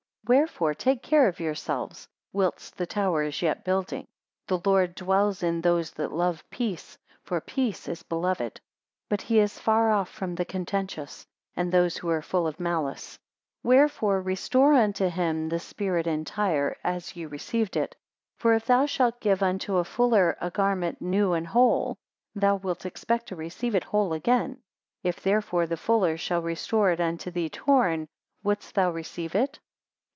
269 Wherefore take care of yourselves whilst the tower is, yet building. The Lord dwells in those that love peace, for peace is beloved; but he is far off from the contentious, and those who are full of malice. 270 Wherefore restore unto him the Spirit entire, as ye received it. For if thou shalt give unto a fuller a garment new and whole, thou wilt expect to receive it whole again; if therefore the fuller shall restore it unto thee torn, wouldst thou receive it?